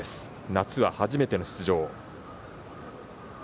夏は初めての出場。